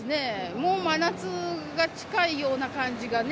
もう真夏が近いような感じがね。